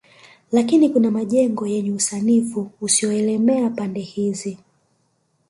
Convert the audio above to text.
Lakini kuna majengo yenye usanifu usioelemea pande hizi